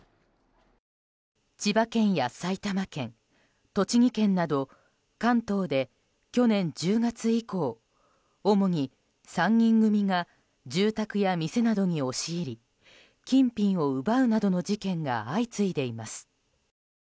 千葉県や埼玉県、栃木県など関東で去年１０月以降主に３人組が住宅や店などに押し入り金品を奪うなどの事件が相次いでいます。